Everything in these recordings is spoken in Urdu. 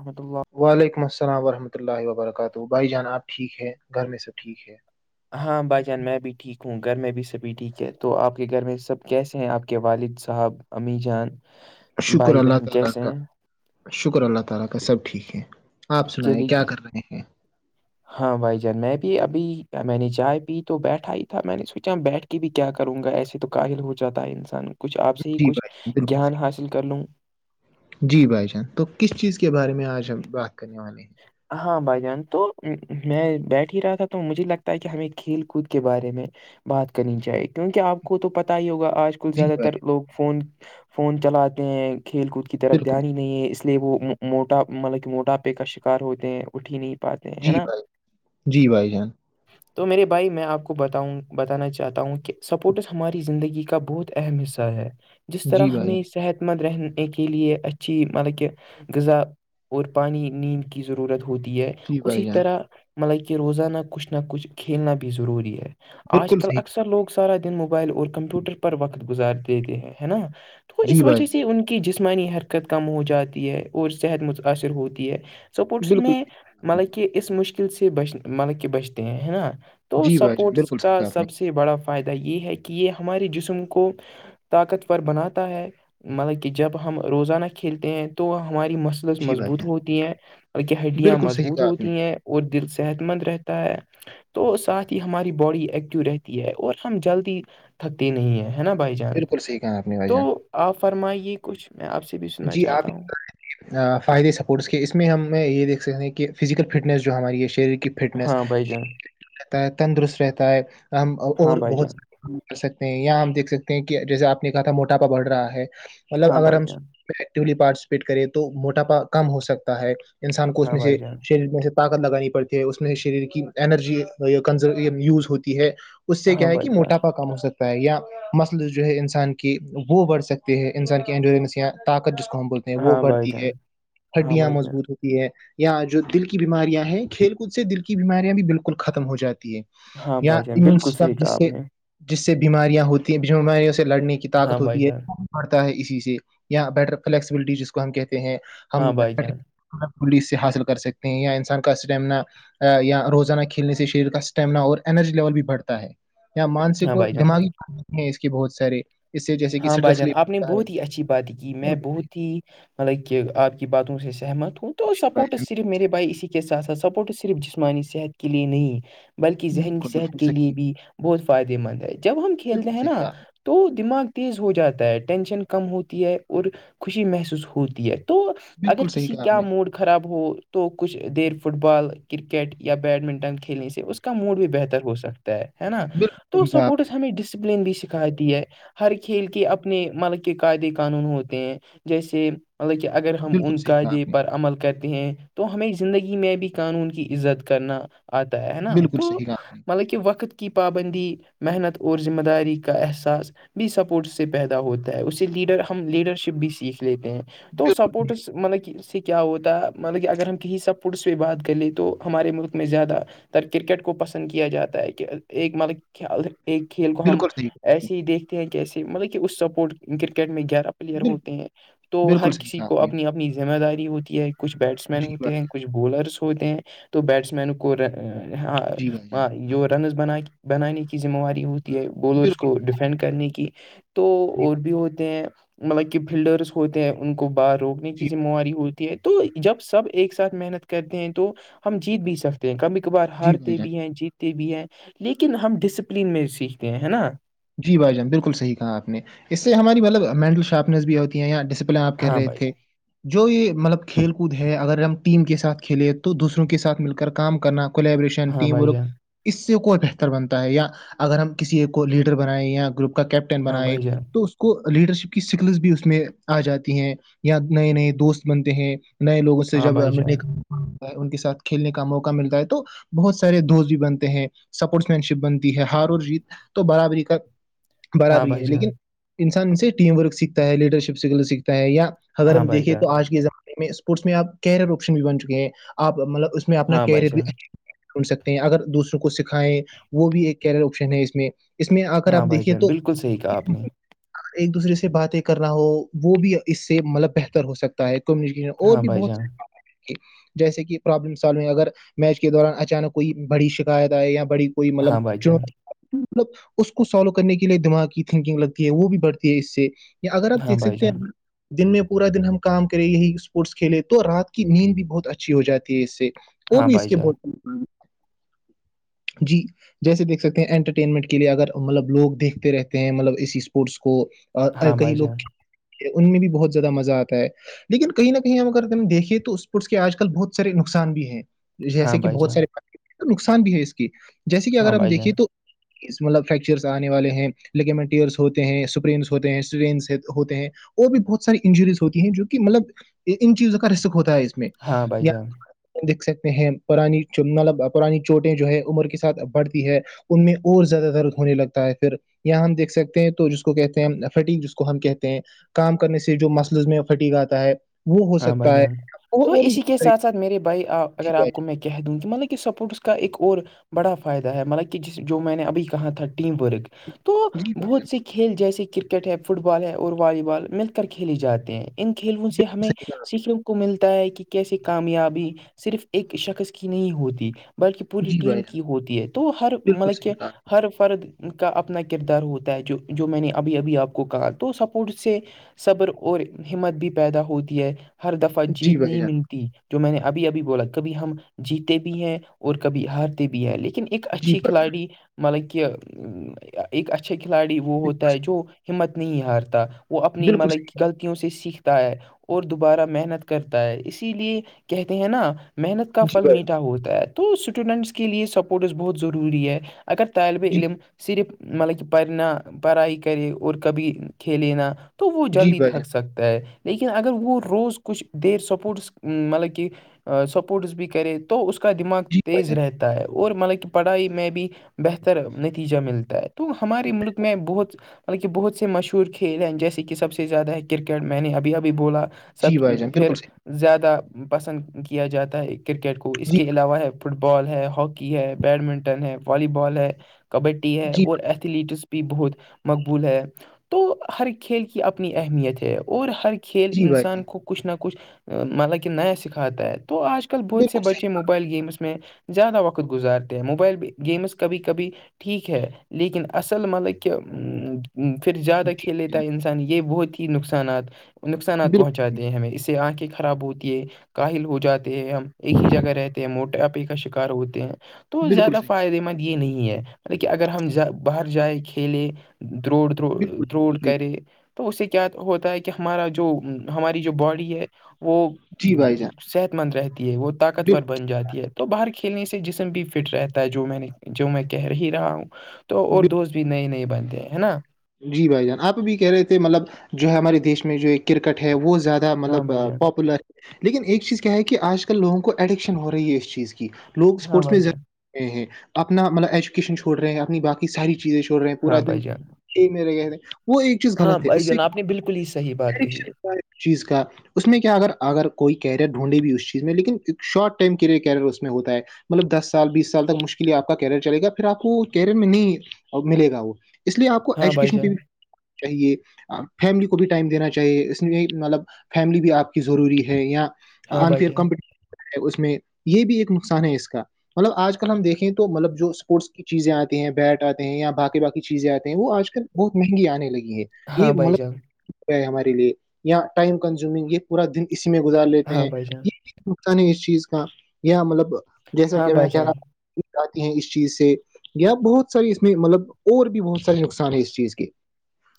الحم اللہ [unintelligible] وعلیکم السلام ورحمۃ اللہ وبرکاتہ بھائی جان آپ ٹھیک ہے گھر میں سب ٹھیک ہے [unintelligible] ہاں بھائی جان میں بھی ٹھیک ہوں گھر میں بھی سبھی ٹھیک ہے تو آپ کے گھر میں سب کیسے ہیں آپ کے والد صاحب امی جان ج [inaudible] [unintelligible] ہے ہیں چلی جی [inaudible] ہاں بھائی جان میں بھی ابھی میں نے چائے پی تو بیٹھا ہی تھا میں نے سوچا بیٹھ کہ بھی کیا کروں گا ایسے تو کااہل ہو جاتا ہے انسان کچھ آپ سے ہی جی کچھ بھائی بالکل جان صحیح حاصل کر لوں [unintelligible] جی بھائی جان تو کس چیز کے بارے میں آج ہم بات کرنے والے ہیں ہاں بھائی جان تو میں بیٹھ ہی رہا تھا تو مجھے لگتا ہے کہ ہمیں کھیل کود کے بارے میں بات کرنی چاہیے کیونکہ آپ کو تو پتا ہی ہوگا آج ب جی زیادہ بھائی تر جان، لوگ فون فون چلاتے ہیں کھیل کود کی طرف بالکل دھیان ہی صحیح۔ نہیں ہے اس اس لیے وہ موٹا مطلب کہ موٹاپے کا شکار ہوتے ہیں اٹھی نہیں پاتے ہیں ہے جی نا بھائی جی بھائی جان تو میرے بھائی میں آپ کو بتاؤں بتانا چاہتا ہوں کہ سپورٹس ہماری زندگی کا بہت اہم حصہ ہے جس طرح جی بھائی جان ہمیں صحت خت مند رہنے کے لیے اچھی مطلب کہ غذا اور پانی نیند کی ضرورت ہوتی ہے جی بھائی اسی جان طرح مطلب کہ روزانہ کچھ نہ کچھ کھیلنا بھی ضروری ہے آج بالکل کل صحیح اکثر لوگ [unintelligible] سارا دن موبائل اور کمپیوٹر پر وقت گزار دیتے ہیں ہے نا تو جی اس بھائی وجہ جان سے ان کی کی جسمانی حرکت کم ہو جاتی ہے اور صحت متاأثر ہوتی ہے سپورٹس بالکل میں [unintelligible] صحیح مطلب کہ اس مشکل سے بچ مطلب کہ بچتے ہیں ہے نا تو جی بھائی جان سپورٹس بالکل صحیح کا کہا آپ نے سب سے [unintelligible] سے بڑا فائدہ یہ ہے کہ یہ ہمارے جسم کو [unintelligible] طاقتور بناتا ہے مطلب کہ جب ہم روزانہ کھیلتے ہیں تو ہماری مس جی بھائی مضبوط جان ہوتی ہیں بلکہ ہڈیاں بالکل صحیح مضبوط کہا آپ نے ہوتی ہیں [unintelligible] اور دل صحت مند رہتا ہے تو ساتھ ہی ہماری باڈی ایکٹیو رہتی ہے اور ہم جلدی تھکتے نہیں ہیں نا بھائی جان بالکل صحیح کہا آپ نے بھائی تو جان آپ فرمائیے کچھ میں آپ سے بھی سننا جی آپ چاہتا ہوں [unintelligible] فائدے سپورٹس کے اس میں ہمیں یہ دیکھ سکتے ہیں کہ فزیکل فٹنس جو ہماری یہ شریر کی فٹنس ہاں بھائی جان رہتا ہے تندرست رہتا ہے ہم ہاں اور بھائی بہت جان س [unintelligible] کر سکتے ہیں یہاں ہم دھ سکتے ہیں کہ جیسے آپ نے کہا تھا موٹاپا بڑ رہا ہے مطلب ہاں اگر بھائی ہم جان ایکلی پارٹیسپیٹ کرے تو موٹاپا کم ہو سکتا ہے انسان کو اس ہاں میں بھائی سے جان شریر میں سے طاقت لگانی پڑتی ہے اس میں شریر کی انرجی کنزر یوز ہوتی ہے [unintelligible] اس سے ہاں کیا ہے بھائی کہ جان موٹا پا کم ہو سکتا ہے یا مسل جو ہے انسان کی وہ بڑھ سکتی ہے انسان کی انجورنس یا طاقت جس کو ہم بولتے ہیں وہ ہاں بھائی بڑھتی جان ہے ہاں ہڈیاں بھائی جان مضبوط ہوتی یا جو دل کی بیماریاں ہیں کھیل کود سے دل کی بیماریاں بھی بالکل ختم ہو جاتی ہے ہاں یا بھائی جان امیون بالکل صحیح سسٹم کہا جس آپ سے نے جس سے بیماریاں ہوتی ہیں بیماریوں سے لڑنے کی ہاں طاقت بھائی ہوتی ہے جان بڑتا ہے اسی سے یا بیٹر فلیکسبلٹی جس کو ہم کہتے ہیں ہم ہاں بھائی بیر جان بلی سے حاصل کر سکتے ہیں یا انسان کا اسٹیمنا یہیا روزانہ کھیلنے سے شریر کا اسٹیمنا اور انرجی لیول بھی بڑھتا ہے یا ہاں مانسک اور بھائی جان دماغی ہیں اس کے بہت سارے اس سے جیسے کہ ہاں بھائی اسٹریس جان لے آپ نے سکتا ہے بہت ہی اچھی بات کی میں بالکل بہت ہی مطلب کہ آپ کی باتوں سے سہمت ہ تو سپورٹ صرف میرے بھائی اسی کے ساتھ سپورٹ صرف جسمانی صحت کے لیے نہیں بلکہ ذہنی بالکل صحت بالکل کے صحیح لیے بھی بہت فائدے مند ہے جب ہم کھیلتے بالکل ہیں صحیح نا کہا آپ نے تو دماغ تیز ہو جاتا ہے ٹینشن کم ہوتی ہے اور خوشی محسوس ہوتی ہے تو اگر بالکل صحیح کسی کہا آپ کیا نے موڈ خراب ہو تو کچھ دیر فٹ بال کرکٹ یا بیڈمنٹن کھیلنے سے اس کو کا موڈ بھی بہتر ہو سکتا ہے نا تو سپورٹس ہمیں ڈسپلین بھی سکھاتی ہے ہر کھیل کے اپنے ملک کے قاعدے قانون ہوتے ہیں جیسے مطلب کہ اگر ہم بالکل ان صحیح کہا قاعدے آپ نے پر عمل کرتے ہیں تو ہمیں زندگی میں بھی قانون کی عزت کرنا آتا ہے ہے نا بالکل تو صحیح کہا آپ نے مطلب کہ وقت کی پابندی محنت اور ذمہ داری کا احساس بھی سپورٹ سے پیدا ہوتا ہے اسے لیڈر ہم لیڈر شپ بھی سیکھ لیتے ہیں تو بالکل سپورٹس مط کہ س کیا ہوتا ہے مطلب کہ اگر ہم کہیں سب پڈس پہ بات کر لیں تو ہمارے ملک میں زیادہ تر کرکٹ کو پسند کیا جاتا ہے کہ ایک مطلب ایک کھیل کو ہم صحیح کہا آپ ایسے ہی دیکھتے ہیں کہ ایسے مطلب کہ اس سپورٹ کرکٹ میں گرا پلیئر نے بالکل صحیح کہا- ہوتے ہیں تو بالکل ہر صحیح کسی کہا کو آپ نے بالکل بالکل صحیح کہا آپ نے اپنی اپنی ذمہ داری ہوتی ہے کچھ بیٹس مین جی ہوتے بھائی ہیں کچ بولرس ہوتے ہیں تو بیٹس مین کو ہاں جی بھائی جان رنز بن بنانے کی ذمہواری ہوتی ہے بولرس بالکل کو ڈیفینڈ کرنے کی تو جی اور بھی ہوتے ہیں مطلب کہ فلڈرس ہوتے ہیں ان کو باہر روکنے کی جی ذمہواری ہو ہے تو جب سب ایک ساتھ محنت کرتے ہیں تو ہم جیت بھی سکتے کبھی کبھار جی بھائی ہارتے جان بھی ہیں جیتتے بھی ہیں لیکن ہم ڈسپلین میں سیکھتے ہیں ہے نا جی بھائی جان بالکل صح کہا آپ نے اس سے ہماری مطلب مینٹل شارپنیس بھی ہوتی یا ڈسپلن آپہ ہاں رہے ہیں بھائی تھے جان جو یہ مطلب کھیل کود ہے اگر ہم ٹیم کے ساتھ کھیلے تو دوسروں کے ساتھ مل کر کام کرنا کولیبریشن ہاں ٹیم بھائی ورک جان اس سے کوئی بہتر بنتا ہے یا اگر ہم کسی کو لیڈر بنائیں یا گروپ کا کیپٹن ہاں بنائے بھائی جان تو اس کو لیڈرشپ کی سکلس بھی اس میں آ جاتی ہیں یا نئے نئے دوست بنتے ہیں نئے لوگوں سے ہاں جب بھائی جان ملنے کا ان کے ساتھ کھیلنے کا موقع ملتا ہے تو بہت سارے دوست بھی بنتے ہیں سپورٹس مین شپ بنتی ہے ہار اور جیت تو برابری کا ہاں برابری بھائی ہے لیکن جان انسان سے ٹیم ورک سیکھتا ہے لیڈر شپ سے سیکھتا ہے یا اگر ہاں ہم بھائی دیکے تو جان آج کے زمانے میں اسپورٹس میں آپ کیریئر آپشن بھی بن چکے ہیں آپ مطلب اس میں اس میں اپنا ہاں بھائی کیریئر بھی جان اچھا سن سکتے ہیں اگر دوسروں کو سکھائیں وہ بھی ایک کیریئر آپشن ہے اس میں میں آ کر آپ ہاں بھائی دیکھیے جان تو بالکل صحیح کہا آپ نے اگر ایک دوسرے سے باتیں کرنا ہو وہ بھی اس سے مطلب بہتر ہو سکتا کمیکیشن اور ہاں بھی بھائی بہت جان س جیسے کہ پرابلم سالونگ اگر میچ کے دوران اچانک کوئی بڑی شکایت آئے یا بڑی کوئی مطلب ہاں بھائی جان چنوتی مطلب اس کو سالو کرنے کے لیے دماغ کی تھنکنگ لگتی ہے وہ بھی بڑھتی ہے اس سے یا اگر آپ ہاں دیک بھائی سکتے جان ہیں دن میں پورا دن ہم کام کریں یہی اسپورٹس کھیلے تو رات کی نیند بھی بہت اچھی ہو جاتی ہے اس سے وہ ہاں بھی اس بھائی کے جان بہٹ میں جی جیسے دیکھ سکتے ہیں انٹرٹینمنٹ کے لیے اگر مطلب لوگ دیکھتے رہتے ہیں مطلب اس اسپورٹس کو ہاں کہئی بھائی لوگ جان ان میں بھی بہت زیادہ مزہ آتا ہے لیکن کہیں نہ کہیں ہم اگر ہم دیکھیں تو اسپورٹس کے آج کل بہت سارے نقصان بھی ہیں ہاں جیسے کہ بھائی بہت جان سارے نقصان بھی ہے اس کے جیسے کہ اگر ہاں ہم بھائی جان دیکھیے تو مطلب فریکچرس آنے والے ہیں لگی منٹیلس ہوتے ہیں سپرینس ہوتے ہیں اسپرینس ہوتے ہیں اور بھی بہت ساری انجریز ہوتی ہیں جو کہ مطلب ان چیزوں کا رسک ہوتا ہے میں ہاں بھائی جان [unintelligible] دیکھ سکتے ہیں پرانی مطلب پرانی چوٹیں جو ہے عمر کے ساتھ بڑھتی ہے ان میں اور زیادہ در ہونے لگتا ہے پھر یہاں ہم دیکھ سکتے ہیں تو جس کو کہتے ہیں فٹنگ جس کو ہم کہتے ہیں کام کرنے سے جو مسلز میں پھٹکاتتا ہے وہ ہو ہاں بھائی سکتا ہے جان تو اور اور بھی اسی بہت کے ساری- ساتھ ساتھ میرے بھائی جی اگر بھائی آپ کو میں کہہ دوں کہ مطلب کہ سپورٹس کا ایک اور بڑا فائدہ ہے مطلب کہ جس جو میں نے ابھی کہا تھا ٹیم ورک تو جان جی بھائی بہت جان سے کھیل جیسے کرکٹ ہے فٹ بال ہے اور والی بال مل کر کھیل جاتے ہیں ان کھیلوں سے بالکل ہمیں صحیح کہا سیککھوں نے کو ملتا ہے کہ کیسے کامیابی صرف ایک شخص کی نہیں ہوتی بلکہ پوری جی بھائی ٹیم جان کی ہوتی ہے تو ہر بالکل مطلب کہ صحیح کہا ہر فرد کا اپنا کردار ہوتا ہے جو جو میں نے ابھی ابھی آپ کو کہا تو سپورٹ سے صبر اور ہمت بھی پیدا ہوتی ہے ہر دفعہ جی جیت بھائی نہیں جان ملتی جو میں نے ابھی ابھی بولا کبھی ہم جیتے بھی ہیں اور کبھی ہارتے بھی ہیں لیکن ایک جی اچھی بھائی جان کھلاڑی مطلب کہ ایک اچھا کھلاڑی وہ ہوتا بالکل ہے جو ہمت نہیں ہارتا وہ صحیح اپنی بالکل صحیح مطلب غلطیوں سے سیکھتا ہے اور دوبارہ محنت کرتا ہے اسی لیے کہتے ہیں نا محنت کا جی پھل بھائی جان میٹھا ہوتا ہے تو اسٹوڈینٹس کے لیے سپورٹز بہت ضروری ہے اگر طالب جی علم صرف مطلب کہ پڑھنا پڑھائی کرے اور کبھی کھیلے نہا تو وہ جی جلدی بھائی تھک جان سکتا ہے لیکن اگر وہ وہ روز کچھ دیر سپورٹس مطلب کہہ سپورٹس بھی کرے تو اس کا دماغ جی بھائی تیز جان رہتا ہے اور مطلب کہ پڑھائی میں بھی بہتر نتیجہ ملتا ہے تو ہمارے ملک میں بہت بالکہ بہت سے مشہور کھیل ہیں جیسے کہ سب زیادہ ہے کرکٹ میں نے ابھی ابھی بولا جی سب بھائی جان پھر بالکل صحیح زیادہ پسند کیا جاتا ہے کرکٹ کو اس جی کے علاوہ ہے فٹ ف بال ہے ہاکی ہے بیڈمنٹن ہے والی بال ہے کبڈی ہے جی اور ایتھلیٹس بھی بہت مقبول ہے تو ہر کھیل کی اپنی اہمیت ہے اور ہر کھیل جی بھائی انسان جان کو کچھ نہ کچھ مطلب کہ نیا سکھاتا ہے تو آج کل بہت سے بالکل بچے صحیح م موبائل گیمس میں زیادہ وقت گزارتے ہیں موبائل گیمس کبھی کبھی ٹھیک ہے لیکن اصل مطلب کہ پھر زیادہ جی کھیل بھائی لیتا جان ہے انسان یہ بہت ہی نقصانات نقصان بالکل پہنچاتے ہیں ہمیں اس سے آنکھیں خراب ہوتی ہے کاہل ہو جاتے ہیں ہم ایک ہی جگہ رہتے ہیں موٹے آپے کا شکار ہوتے ہیں تو بالکل زیادہ صحیح، فائدے مند یہ نہیں ہےط کہ اگر ہم باہر جائیں کھیلے دڑ بالکل، بالکل دروڑ صحیح، کرے تو اس سے کیا ہوتا ہے کہ ہمارا جو ہماری جو باڈی ہے وہ جی بھائی جان، صحت مند رہتی ہے وہ طاقتور بالکل، بن جاتی ہے تو باہر کھیلنے سے جسم بھی فٹ رہتا ہے جو میں نے جو میں کہہ ہی رہا ہوں تو اور دوست بھی نئے نئے بنتے ہے نا جی بھائی جان آپ بھی کہہ رہے تھے مطلب جو ہے ہمارے دیش میں جو کرکٹ ہے وہ زیادہ ہاں مطلب بھائی جان پاپولر لیکن ایک چیز کیا ہے کہ آج کل لوگوں کو ایڈکشن ہو رہی ہے اس چیز کی لوگ ہاں اسپورٹس میں بھائی جان رہے ہیں اپنا مطلب ایجوکیشن چھوڑ رہے ہیں اپنی باقی ساری چیزیں چڑ رہے ہیں پورا ہاں دن بھائی جان یہ میرے گے وہ ایک چیز ہاں غلط ہے بھائی اس سے جان آپ نے بالکل ہی صحیح بات کہی چیز کا اس میں کیا اگر اگر کوئی کیریئر ڈھونڈے بھی اس چیز میں لیکن ایک شارٹ ٹائم کیریئر اس میں ہوتا ہے مطلب دس سال بیس سال تک مشکل آپ کا کیریئر چل گا پھر آپ کو کیریئر میں نہیں اور ملے گا وہ اس لیے آپ کو ہاں بھائی ایجوکیشن پی جان چاہیے فیملی کو بھی ٹائم دینا چاہیے اس لیے مطلب فیملی بھی آپ کی ضروری ہے یااں ہاں آن بھائی فیئر جان کمپن اس میں یہ بھی ایک نقصان ہے اس کا مطلب آج کل ہم دیکھیں تو مطلب جو اسپورٹس چیزیں آتی ہیں بیٹ آتے ہیں اں باقی بای چیزیں آتے ہیں وہ آج بہت مہنگی آنے لگی ہے یہ ہاں بھائی جان مطلب ہے ہمارے لیے یا ٹائم کنزیومنگ یہ پورا دن اسی میں گزار لیتے ہاں ہیں بھائی جان یہ نقصان ہے اس چیز کا یا مطلب جیسا ہاں کہ میں بھائی کہہ رہا جان ہ جاتی ہیں اس چیز سے یا بہت ساری اس میں مطلب اور بھی بہت سارے نقصان ہیں اس چیز کے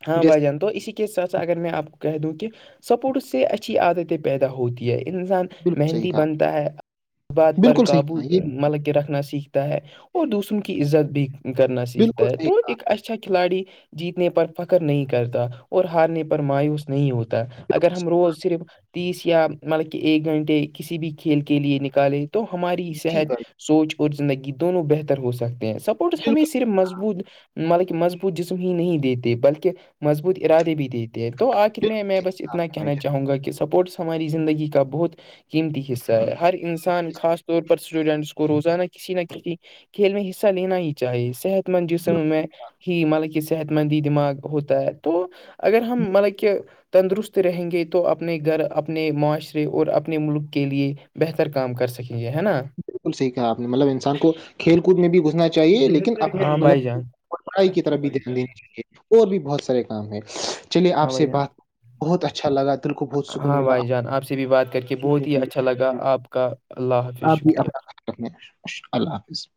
ہاں جیسے بائی جن تو اسی کے ساتھ ساتھ اگر میں آپ کو کہہ دوں کہ سپورٹس سے اچھی عادتیں پیدا ہوتی ہے انسان بالکل صحیح مہندی کہا بنتا ہے اس بات پر بالکل صحیح قابو کہا یہ بھی مل کے رکھنا سیکھتا ہے اور دوسروں کی عزت بھی کرنا سیکھتا بالکل ہے صحیح تو کہا ایک اچھا اچھا کھلاڑی جیتنے پر فخر نہیں کرتا اور ہارنے پر مایوس نہیں ہوتا اگر بالکل ہم صحیح روز صرف تیس یا مطلب کہ ایک گھنٹے کسی بھی کھیل کے لیے نکالے تو ہماری جی صحت بھائی سوچ اور زندگی دونوں بہتر ہو سکتے ہیں سپورٹس بالکل ہمیشہ صرف مضبوط مطلب مضبوط جسم ہی نہیں دیتے بلکہ مضبوط ارادے بھی دیتے تو آخر میں بالکل میں صحیح بس کہا اتنا آپ نے بھائی کہنا چاہوں گا کہ سپورٹس ہماری زندگی کا بہت قیمتی حصہ ہے ہر جان انسان خاص جی، طور پر اسٹوڈینٹس کو روزانہ کسی نہ کسی کھیل میں حصہ لینا ہی چاہیے صحت مند جسم میں ہی مطلب کہ صحت مند ہی دماغ ہوتا ہے تو اگر ہم مطلب کہ تندرست رہیں گے تو اپنے گھر اپنے معاشرے اور اپنے ملک کے لیے بہتر کام کر سکیں گے ہے نا بالکل صح کہ آپ مطلب انسان کو کھیل کود میں بھی گھسنا چاہیے لیکن اپنی ہاں بھائی مطلب جان پڑھائی کی طرف بھی دھیان دینا چاہیے اور بھی بہت سارے کام ہیں چلیے آپ ہاں بھائی سے جان بات بہت اچھا لگا دل کو بہت سکون ہاں ملا بھائی جان آپ سے بھی بات کر کے آپ بہت ہی اچھا لگا آپ کا اللہ حافظ آپ بھی شکریہ اللہ حافظ